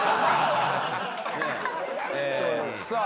さあ